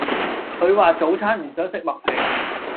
佢話早餐唔想食麥皮